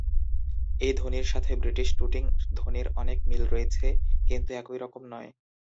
এই ধ্বনির সাথে ব্রিটিশ টুটিং ধ্বনির অনেক মিল রয়েছে, কিন্তু একই রকম নয়।